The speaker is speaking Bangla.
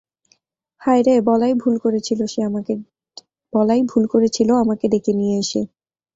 হায় রে, বলাই ভুল করেছিল আমাকে ডেকে নিয়ে এসে।